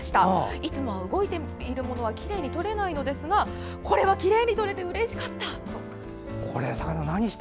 いつもは動いているものはきれいに撮れないのですがこれはきれいに撮れてうれしかった。